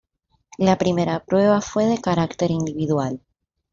La primera prueba fue carácter individual.